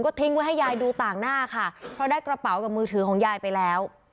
ทิ้งไว้ให้ยายดูต่างหน้าค่ะเพราะได้กระเป๋ากับมือถือของยายไปแล้ว